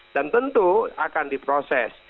dan tentu akan diproses